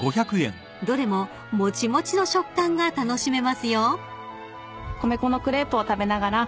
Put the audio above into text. ［どれももちもちの食感が楽しめますよ］